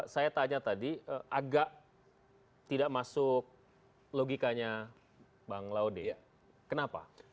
saya tanya tadi agak tidak masuk logikanya bang laude kenapa